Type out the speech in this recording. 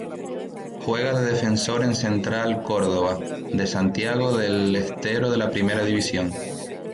Juega de defensor en Central Córdoba de Santiago del Estero de la Primera División.